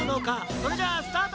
それじゃあスタート！